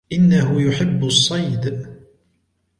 إنه يحب الصيد.